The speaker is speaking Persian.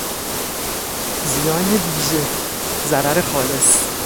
زیان ویژه، ضرر خالص